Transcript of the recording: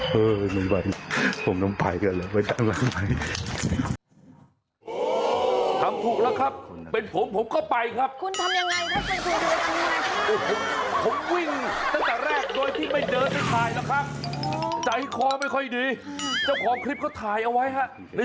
เฮ้ยมันไหวผมต้องไปกันเลยไปตามรักไว้